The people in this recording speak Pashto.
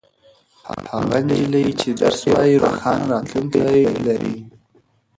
هغه نجلۍ چې درس وايي روښانه راتلونکې لري.